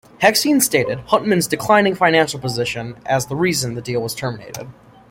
Hexion stated Huntsman's declining financial position as the reason the deal was terminated.